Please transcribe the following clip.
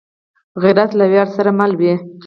غیرت له ویاړ سره مل وي